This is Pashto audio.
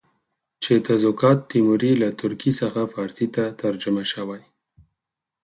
چې تزوکات تیموري له ترکي څخه فارسي ته ترجمه شوی.